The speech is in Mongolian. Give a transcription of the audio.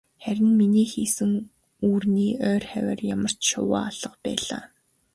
Харин миний хийсэн үүрний ойр хавиар ямарч шувуу алга байлаа.